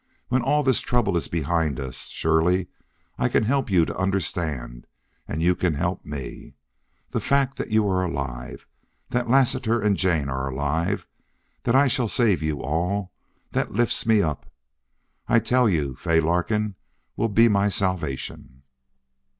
"When all this trouble is behind us, surely I can help you to understand and you can help me. The fact that you are alive that Lassiter and Jane are alive that I shall save you all that lifts me up. I tell you Fay Larkin will be my salvation."